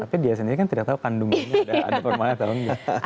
tapi dia sendiri kan tidak tahu kandungannya sudah ada formalin atau tidak